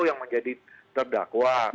yang menjadi terdakwa